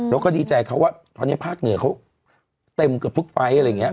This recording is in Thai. เราก็ดีใจเขาว่าตอนนี้ภาคเหนือเขาเต็มเกือบทุกไฟล์